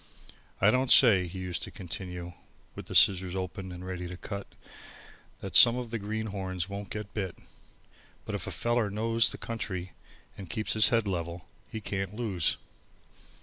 I don't say," he used to continue, with the scissors open and ready to cut, "that some of the greenhorns won't get bit. But if a feller knows the country and keeps his head level, he can't lose."